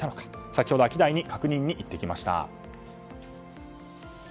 先ほどアキダイに確認に行ってきました。